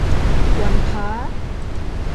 วันพระ